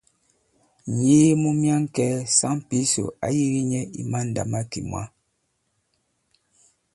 Ŋ̀yee mu myaŋkɛ̄ɛ̄, saŋ Pǐsò ǎ yīgī nyɛ i mandàmakè mwǎ.